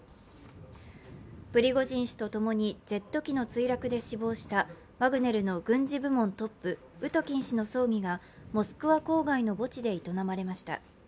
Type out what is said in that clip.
プリゴジン氏とともにジェット機の墜落で死亡したワグネルの軍事部門トップ・ウトキン氏の葬儀がモスクワ郊外の墓地で営まれました。